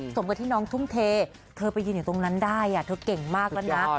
สมกับที่น้องทุ่มเทเธอไปยืนอยู่ตรงนั้นได้เธอเก่งมากแล้วนะ